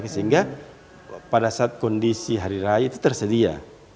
sehingga pada saat kondisi hari raya itu tersedia